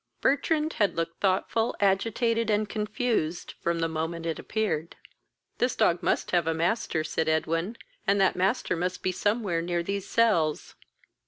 Bertrand had looked thoughtful, agitated, and confused, from the moment it appeared. "This dog must have a master, (said Edwin,) and that master must be somewhere near these cells."